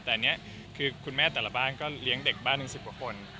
แต่อันนี้คือคุณแม่แต่ละบ้านก็เลี้ยงเด็กบ้านถึง๑๐กว่าคน